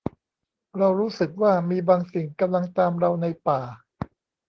เรารู้สึกว่ามีบางสิ่งกำลังตามเราในป่า